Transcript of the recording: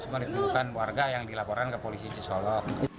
semua ditemukan warga yang dilaporan ke polisi cisolo